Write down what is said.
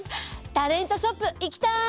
タレントショップ行きたい！